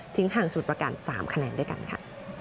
ทิ้งห่างสุดประกัน๓คะแนนด้วยกันค่ะ